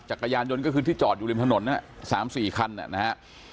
จักรยานยนต์ก็คือที่จอดอยู่ริมถนน๓๔คันนะฮะ